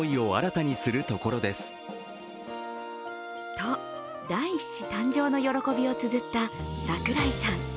と第１子誕生の喜びをつづった櫻井さん。